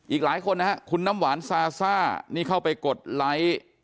อีกหลายคนนะฮะคุณน้ำหวานซาซ่านี่เข้าไปกดไลค์